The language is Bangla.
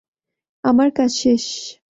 আমার কাজ শেষ।